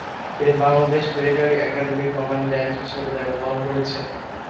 তিনি বাংলাদেশ মিলিটারি একাডেমির কমান্ড্যান্ট হিসাবে দায়িত্ব পালন করেছেন।